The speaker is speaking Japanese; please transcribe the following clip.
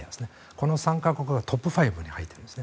この３か国がトップ５に入っているんです。